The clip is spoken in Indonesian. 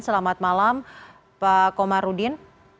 selamat malam pak komarudin